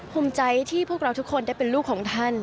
ภูมิใจที่พวกเราทุกคนได้เป็นลูกของท่าน